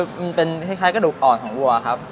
มันเป็นคล้ายกระดูกอ่อนของวัวครับ